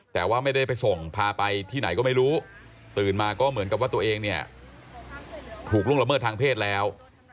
แต่ว่าไม่ได้ไปส่งพาไปที่ไหนก็ไม่รู้ตื่นมาก็เหมือนกับว่าตัวเองเนี่ยถูกล่วงละเมิดทางเพศแล้ว